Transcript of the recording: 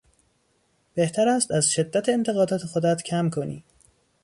بهتر است از شدت انتقادات خودت کم کنی.